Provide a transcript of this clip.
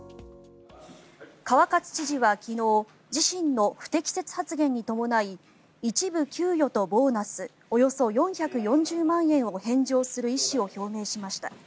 川勝知事は昨日自身の不適切発言に伴い一部給与とボーナスおよそ４４０万円を返上する意思を表明しました。